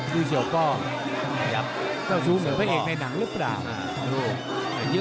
ดูเสี่ยวก็จะอธิบายเป็นแผงนางรึหรือเปล่า